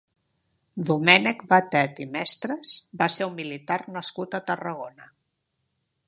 Domènec Batet i Mestres va ser un militar nascut a Tarragona.